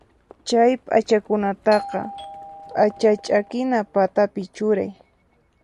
Chay p'achakunata p'acha ch'akina patapi churay.